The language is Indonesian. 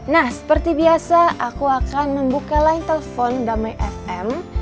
nah seperti biasa aku akan membuka line telepon damai fm